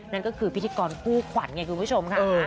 นั่นก็คือพิธิกรผู้ขวัญไงคุณผู้ชมฮะเออ